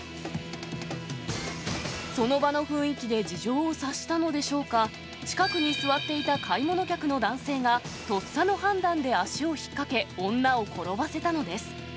その場の雰囲気で事情を察したのでしょうか、近くに座っていた買い物客の男性がとっさの判断で足を引っ掛け、女を転ばせたのです。